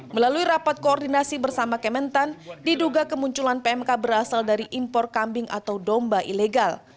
melalui rapat koordinasi bersama kementan diduga kemunculan pmk berasal dari impor kambing atau domba ilegal